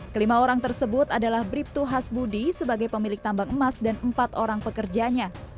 kelima orang tersebut adalah brip tu has budi sebagai pemilik tambang emas dan empat orang pekerjanya